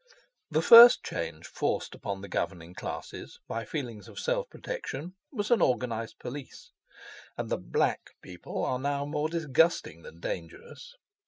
The first change forced upon the governing classes, by feelings of self protection was an organized police, and the "Black" people are now more disgusting than dangerous.